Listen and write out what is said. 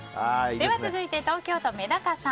続いて東京都の方。